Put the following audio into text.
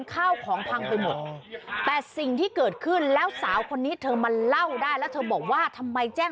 ข้าวของพังไปหมดแต่สิ่งที่เกิดขึ้นแล้วสาวคนนี้เธอมาเล่าได้แล้วเธอบอกว่าทำไมแจ้ง